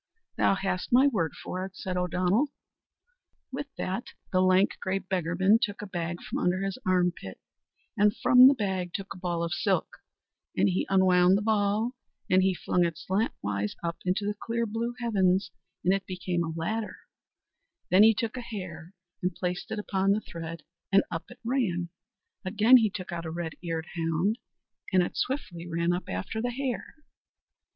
"Thou hast my word for it," said O'Donnell. With that the lank, grey beggarman took a bag from under his arm pit, and from out the bag a ball of silk, and he unwound the ball and he flung it slant wise up into the clear blue heavens, and it became a ladder; then he took a hare and placed it upon the thread, and up it ran; again he took out a red eared hound, and it swiftly ran up after the hare.